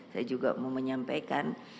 saya juga mau menyampaikan